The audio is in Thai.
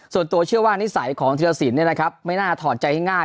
ส่วนตัวเชื่อว่านิสัยของธิรศิลป์เนี่ยนะครับไม่น่าถอดใจให้ง่าย